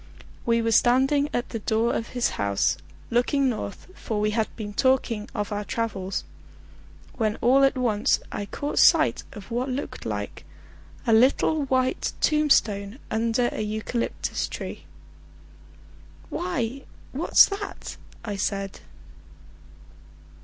We were standing at the door of his house, looking north, for we had been talking of our travels, when all at once I caught sight of what looked like a little white tombstone under a eucalyptus tree. "Why, what's that?" I said.